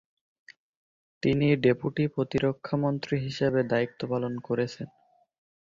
তিনি ডেপুটি প্রতিরক্ষামন্ত্রী হিসেবে দায়িত্বপালন করেছেন।